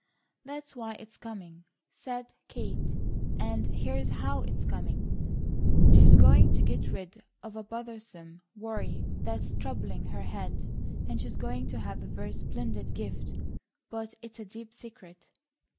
"That's WHY it's coming," said Kate; "and, here's HOW it's coming. She is going to get rid of a bothersome worry that's troubling her head and she's going to have a very splendid gift, but it's a deep secret."